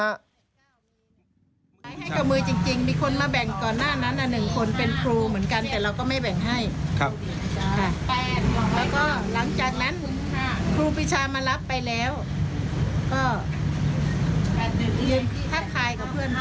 แรกมาถึงมือครูปรีชาเลย